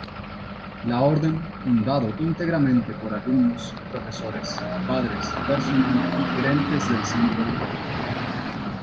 La Orden, fundado íntegramente por alumnos, profesores, padres, personal y gerentes del centro educativo.